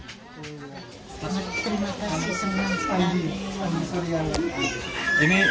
terima kasih senang sekali